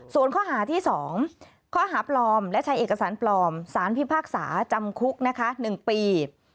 ส่วนข้อหาที่๒ข้อหาปลอมและใช้เอกสารปลอมสารพิพากษาจำคุกนะคะ๑ปี